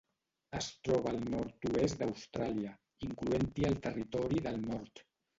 Es troba al nord-oest d'Austràlia, incloent-hi el Territori del Nord.